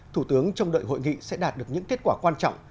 thủ tướng trông đợi hội nghị sẽ đạt được những kết quả quan trọng